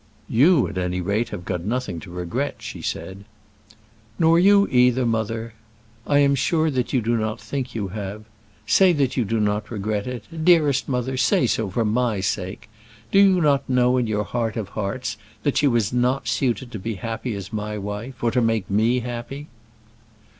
"You, at any rate, have got nothing to regret," she said. "Nor you either, mother. I am sure that you do not think you have. Say that you do not regret it. Dearest mother, say so for my sake. Do you not know in your heart of hearts that she was not suited to be happy as my wife, or to make me happy?"